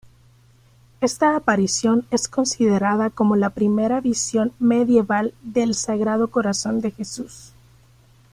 Esta aparición es considerada como la primera visión medieval del Sagrado Corazón de Jesús.